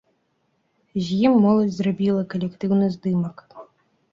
З ім моладзь зрабіла калектыўны здымак.